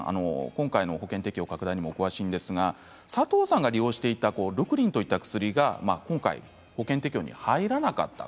今回の保険適用の拡大にも詳しいんですが、佐藤さんが利用していたルクリンといった薬が、今回保険適用に入らなかった。